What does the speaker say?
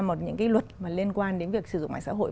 một cái luật liên quan đến việc sử dụng mạng xã hội